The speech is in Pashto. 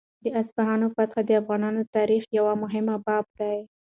د اصفهان فتحه د افغان تاریخ یو مهم باب دی.